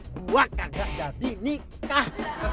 gua kagak jadi nikah